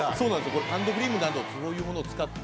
これハンドクリームなどそういうものを使って。